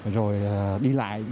rồi đi lại để mà